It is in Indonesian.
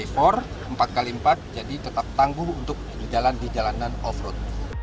empat x empat jadi tetap tangguh untuk jalan di jalanan off road